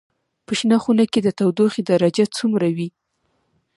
په شنه خونه کې د تودوخې درجه څومره وي؟